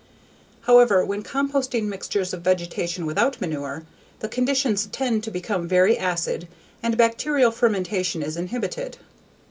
However, when composting mixtures of vegetation without manure, the conditions tend to become very acid and bacterial fermentation is inhibited.